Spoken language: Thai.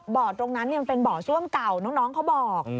ตรงนั้นมันเป็นบ่อซ่วมเก่าน้องเขาบอก